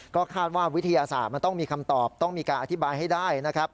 ก็คาดว่าวิทยาศาสตร์มันต้องมีคำตอบต้องมีการอธิบายให้ได้นะครับ